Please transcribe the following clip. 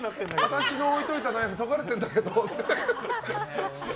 私の置いておいたナイフ研がれてるんだけどって。